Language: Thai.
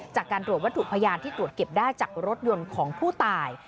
จากการตรวจวัตถุพยานที่ตรวจเก็บได้จากรถยนต์ของผู้ตาย